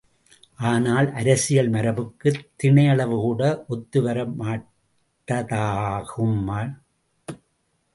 ஆனால், அரசியல் மரபுக்கு தினையளவுகூட ஒத்துவரமாட்டாததாகும்!...